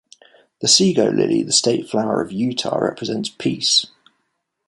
The sego lily, the state flower of Utah, represents peace.